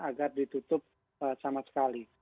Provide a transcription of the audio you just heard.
agar ditutup sama sekali